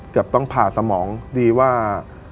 ต้องผ่าสมองดีว่า